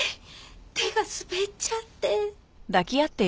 手が滑っちゃって。